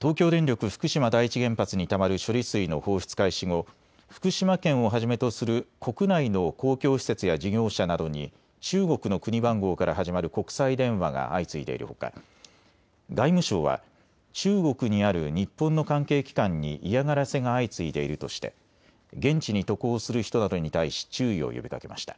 東京電力福島第一原発にたまる処理水の放出開始後、福島県をはじめとする国内の公共施設や事業者などに中国の国番号から始まる国際電話が相次いでいるほか外務省は中国にある日本の関係機関に嫌がらせが相次いでいるとして現地に渡航する人などに対し注意を呼びかけました。